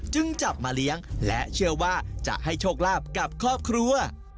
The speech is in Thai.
จึงจับมาเลี้ยงและเชื่อว่าจะให้โชคลาภกับครอบครัว